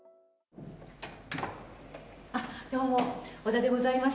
どうも、小田でございます。